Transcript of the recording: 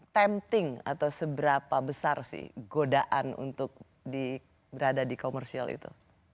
temting atau seberapa besar sih godaan untuk berada di komersial itu